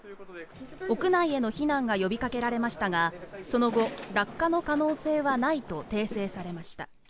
屋内への避難が呼びかけられましたがその後、落下の可能性はないと訂正されました。